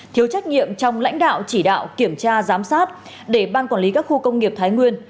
thiếu trách nhiệm trong lãnh đạo chỉ đạo kiểm tra giám sát để ban quản lý các khu công nghiệp thái nguyên